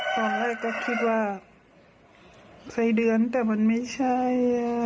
ตอนแรกก็คิดว่าไส้เดือนแต่มันไม่ใช่